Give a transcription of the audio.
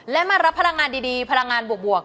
และมารับพลังงานดีพลังงานบวก